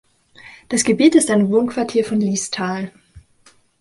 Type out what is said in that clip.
Das Gebiet ist ein Wohnquartier von Liestal.